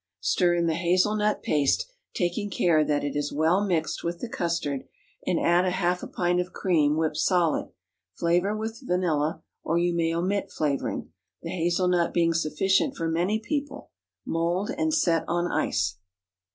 Stir in the hazel nut paste, taking care that it is well mixed with the custard, and add a half pint of cream whipped solid; flavor with vanilla, or you may omit flavoring, the hazel nut being sufficient for many people. Mould and set on ice.